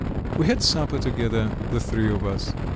We had supper together, the three of us.